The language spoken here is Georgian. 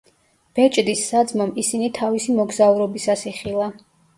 ბეჭდის საძმომ ისინი თავისი მოგზაურობისას იხილა.